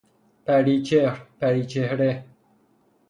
پری چهر- پری چهره